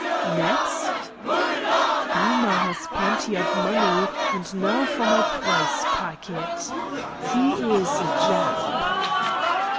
"Next?" "Ooma has plenty of money, and now for my prize packet he is a Jap!"